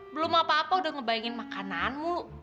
belum apa apa udah ngebayangin makananmu